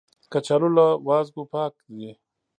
کچالو له وازګو پاک دي